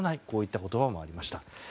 こういった言葉もありました。